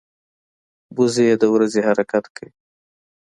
وزې د ورځي حرکت کوي